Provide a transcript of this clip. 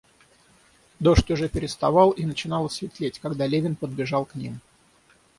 Дождь уже переставал, и начинало светлеть, когда Левин подбежал к ним.